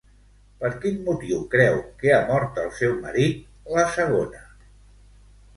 Per quin motiu creu que ha mort el seu marit, la segona?